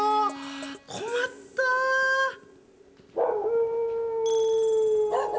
困ったー。